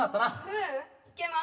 ううん。いけます。